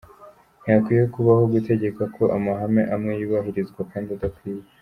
Ntihakwiye kubaho gutegeka ko amahame amwe yubahirizwa kandi adakwiye.